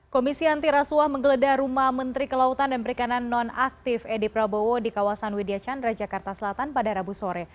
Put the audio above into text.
komisi anti rasuah menggeledah rumah menteri kelautan dan perikanan nonaktif edy prabowo di kawasan widya chandra jakarta selatan pada rabu sore